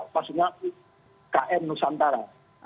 maksudnya ikn nusantara